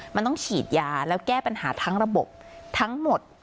มันต้องฉีดยาแล้วแก้ปัญหาทั้งระบบทั้งหมด